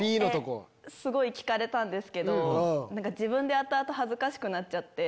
すごい聞かれたんですけど自分で後々恥ずかしくなって。